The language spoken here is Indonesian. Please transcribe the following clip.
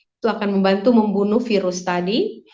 itu akan membantu membunuh virus tadi